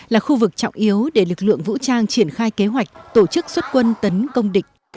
là khu vực trọng yếu để lực lượng vũ trang triển khai kế hoạch tổ chức xuất quân tấn công địch